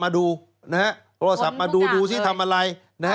โทรศัพท์มาดูดูสิทำอะไร